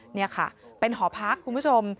นี่ค่ะเป็นหอพักคุณผู้ชม